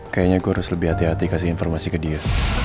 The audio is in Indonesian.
kayaknya gue harus lebih hati hati kasih informasi ke dia